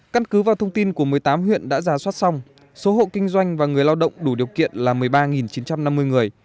căn cứ vào thông tin của một mươi tám huyện đã giả soát xong số hộ kinh doanh và người lao động đủ điều kiện là một mươi ba chín trăm năm mươi người